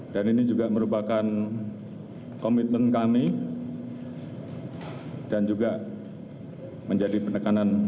dan ini juga merupakan komitmen kami dan juga menjadi penekanan